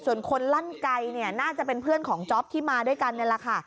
ส่วนคนลั่นไก่เนี่ยน่าจะเป็นเพื่อนของจ๊อปที่มาด้วยกันนี่แหละค่ะ